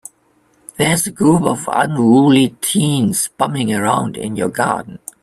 There's a group of unruly teens bumming around in your garden.